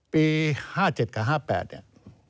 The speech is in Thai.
ปี๕๗กับ๕๘เนี่ย